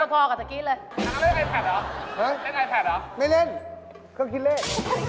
ไม่เล่นเครื่องคิดเลส